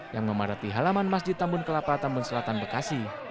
yang memadati halaman masjid tambun kelapa tambun selatan bekasi